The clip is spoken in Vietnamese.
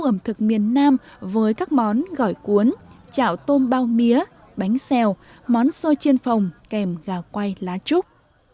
khu ẩm thực miền nam với các món gỏi cuốn chảo tôm bao mía bánh xèo món xôi chiên phồng kèm gà quay lá trúc